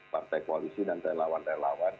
partai koalisi dan relawan relawan